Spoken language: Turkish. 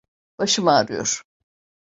Başım ağrıyor.